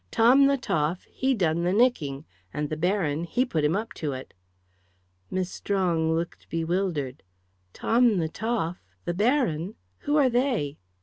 Tom the Toff, he done the nicking; and the Baron, he put him up to it." Miss Strong looked bewildered. "Tom the Toff? The Baron? Who are they?"